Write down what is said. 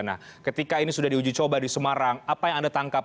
nah ketika ini sudah di uji coba di sumarang apa yang anda tangkap pak